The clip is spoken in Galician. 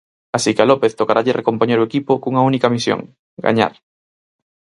Así que a López tocaralle recompoñer o equipo cunha única misión: gañar.